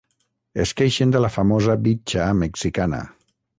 Es queixen de la famosa “bitxa” mexicana.